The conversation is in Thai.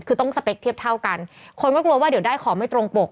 คือต้องสเปคเทียบเท่ากันคนก็กลัวว่าเดี๋ยวได้ของไม่ตรงปก